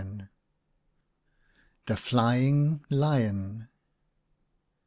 THE FLYING LION.